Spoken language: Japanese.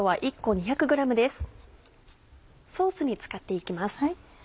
ソースに使って行きます。